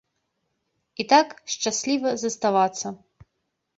І так, шчасліва заставацца.